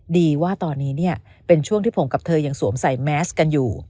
ดีว่าตอนนี้เนี่ยเป็นช่วงที่ผมกับเธอยังสวมใส่แมสกันอยู่